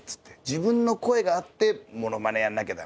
自分の声があってモノマネやらなきゃ駄目だ。